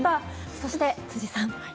そして、辻さん。